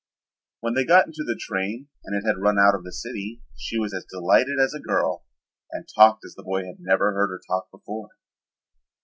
When they got into the train and it had run out of the city she was as delighted as a girl and talked as the boy had never heard her talk before.